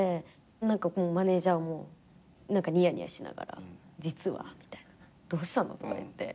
何かマネージャーもニヤニヤしながら「実は」みたいな。どうしたの？とか言って。